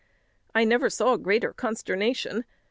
I never saw greater consternation.